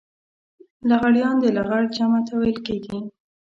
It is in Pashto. لغړيان د لغړ جمع ته ويل کېږي.